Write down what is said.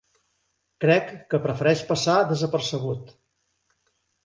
Crec que prefereix passar desapercebut.